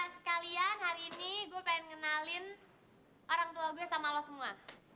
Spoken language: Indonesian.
sekalian hari ini gue pengen ngenalin orang tua gue sama lo semua